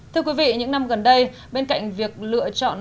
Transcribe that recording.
thưa quý vị những năm gần đây bên cạnh việc lựa chọn